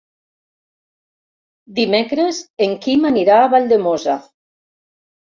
Dimecres en Quim anirà a Valldemossa.